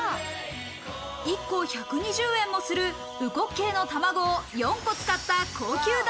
１個１２０円もする烏骨鶏の卵を４個使った高級だ